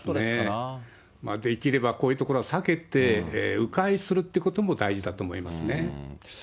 できればこういう所は避けてう回するってことも大事だと思いますね。